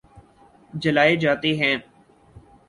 جلائے جاتے ہیں